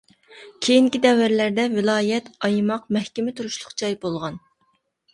كېيىنكى دەۋرلەردە ۋىلايەت، ئايماق مەھكىمە تۇرۇشلۇق جاي بولغان.